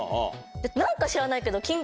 何か知らないけど。